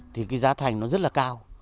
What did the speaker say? thì cái giá thành nó rất là cao